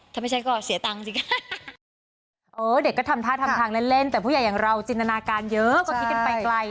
ถ้าไม่ใช่ก็เสียตังค์จริง